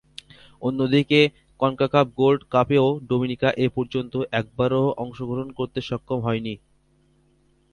অন্যদিকে, CONCACAF gold কাপেও Dominica এপর্যন্ত একবারও অংশগ্রহণ করতে সক্ষম হয়নি।